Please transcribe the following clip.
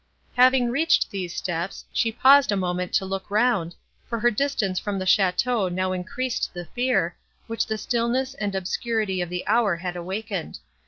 Having reached these steps, she paused a moment to look round, for her distance from the château now increased the fear, which the stillness and obscurity of the hour had awakened.